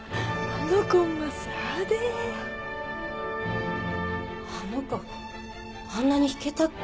あの子あんなに弾けたっけ？